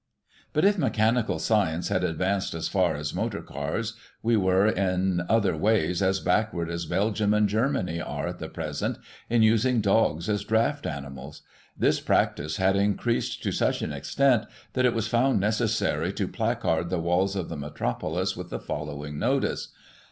But, if mechanical science had advanced as far as motor cars, we were, in other ways, still as backward as Belgium and Germany are at the present, in using dogs as draught animals. This practice had increased to such an extent that it was found necessary to placard the walls of the metropolis with the following notice.